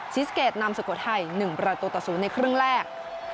สเกตนำสุโขทัย๑ประตูต่อ๐ในครึ่งแรก